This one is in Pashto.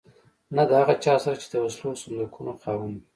نه د هغه چا سره چې د وسلو صندوقونو خاوند وي.